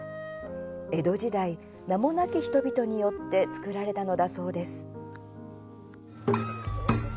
江戸時代、名もなき人々によって作られたのだそうです。